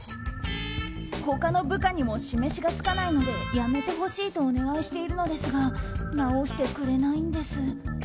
他の部下にも示しがつかないのでやめてほしいとお願いしているのですが直してくれないんです。